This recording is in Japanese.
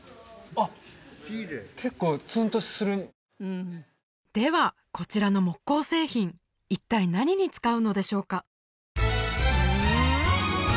あっではこちらの木工製品一体何に使うのでしょうか？